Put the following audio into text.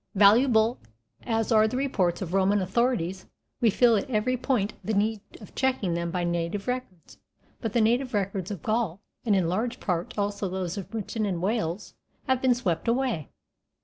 Valuable as are the reports of Roman authorities, we feel at every point the need of checking them by native records; but the native records of Gaul, and in large part also those of Britain and Wales, have been swept away.